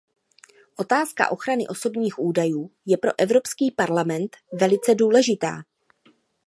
Otázka ochrany osobních údajů je pro Evropský parlament velice důležitá.